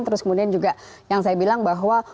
terus kemudian juga yang saya bilang bahwa